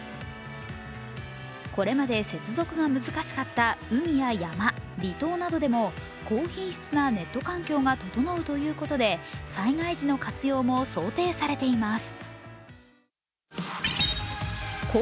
これまで接続が難しかった海や山、離島などでも高品質なネット環境が整うということで災害時の活用も想定されています。